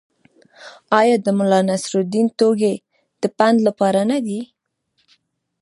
آیا د ملانصرالدین ټوکې د پند لپاره نه دي؟